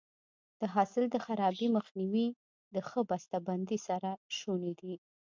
د حاصل د خرابي مخنیوی د ښه بسته بندۍ سره شونی دی.